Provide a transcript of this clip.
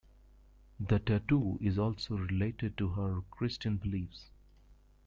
The tattoo is also related to her Christian beliefs.